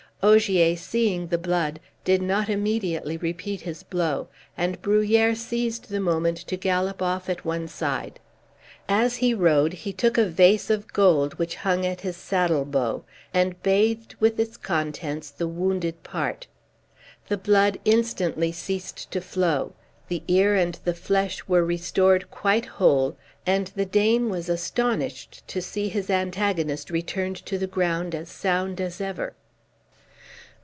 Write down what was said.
Ogier, seeing the blood, did not immediately repeat his blow, and Bruhier seized the moment to gallop off at one side. As he rode he took a vase of gold which hung at his saddle bow, and bathed with its contents the wounded part. The blood instantly ceased to flow, the ear and the flesh were restored quite whole, and the Dane was astonished to see his antagonist return to the ground as sound as ever.